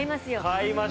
はい。